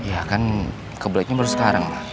iya kan ke toiletnya baru sekarang ma